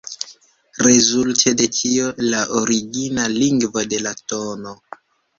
Rezulte de tio, la origina lingvo, la tn.